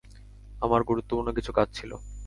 আমার গুরুত্বপূর্ণ কিছু কাজ ছিলো।